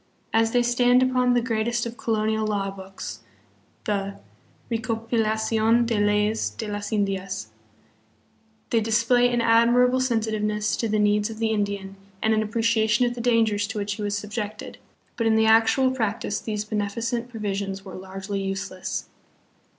As they stand upon the greatest of colonial law books, the Recopilacidn de Leyes de las Indias, they display an a.dmirable sensitiveness to the needs of the Indian and an appreciation of the dangers to which he was subjected; but in the actual practice these benefi cent provisions were largely useless.